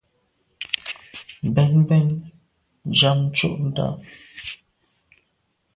Mbèn mbèn njam ntsho ndà.